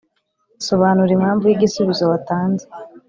sobanura impamvu y’igisubizo watanze